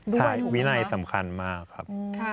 ใช่วินัยสำคัญมากครับ